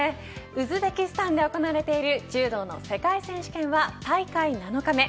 ウズベキスタンで行われている柔道の世界選手権は大会７日目。